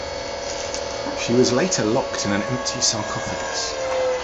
She was later locked in an empty sarcophagus.